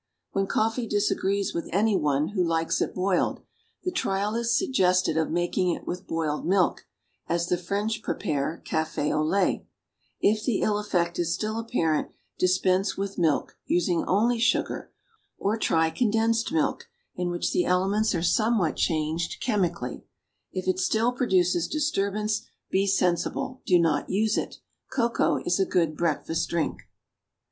When coffee disagrees with any one who likes it boiled, the trial is suggested of making it with boiled milk, as the French prepare café au lait; if the ill effect is still apparent, dispense with milk, using only sugar; or try condensed milk, in which the elements are somewhat changed chemically; if it still produces disturbance, be sensible; do not use it. Cocoa is a good breakfast drink.